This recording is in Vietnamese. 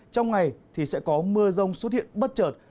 trong ngày thì sẽ có mưa rông xuất hiện bất chợt